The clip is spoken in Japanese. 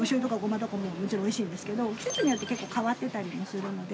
季節によって結構変わってたりもするので。